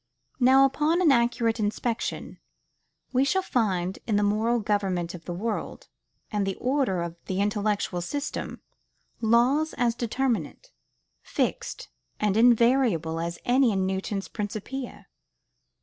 Now, upon an accurate inspection, we shall find in the moral government of the world, and the order of the intellectual system, laws as determinate, fixed, and invariable as any in Newton's 'Principia.'